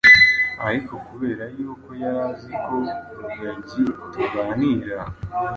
ariko kubera y’uko yari aziko rugagi tuganira